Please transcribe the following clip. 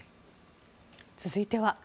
続いては。